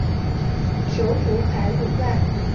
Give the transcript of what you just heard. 首府凯鲁万。